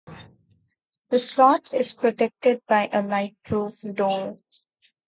The slot is protected by a lightproof door.